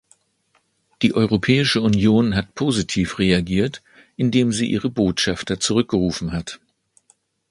Die Europäische Union hat positiv reagiert, indem sie ihre Botschafter zurückgerufen hat.